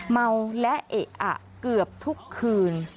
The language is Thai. เมาและเอะอะเกือบทุกคืน